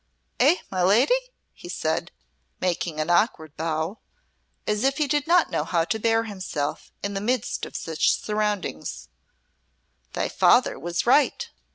"Eh, my lady," he said, making an awkward bow, as if he did not know how to bear himself in the midst of such surroundings; "thy father was right."